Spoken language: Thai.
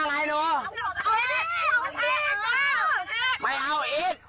ไม่เอาพี่ขอไม่เอาไม่เอาไม่เอา